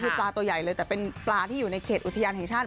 คือปลาตัวใหญ่เลยแต่เป็นปลาที่อยู่ในเขตอุทยานแห่งชาติ